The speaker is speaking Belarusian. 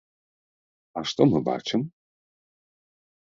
А што мы бачым?